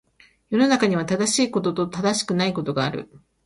世の中には、正しいことと正しくないことがある。